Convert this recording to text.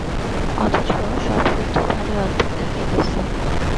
অথচ সবসুদ্ধ ভারি অদ্ভুত দেখাইতেছে।